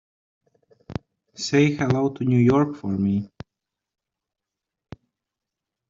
Say hello to New York for me.